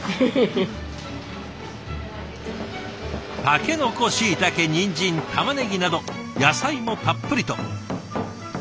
たけのこしいたけにんじんたまねぎなど野菜もたっぷりと。